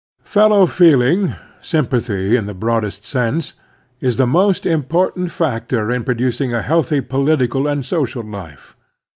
FELLOW FEELING, sympathy in the broad est sense> is the most important factor in producing a healthy political and social life.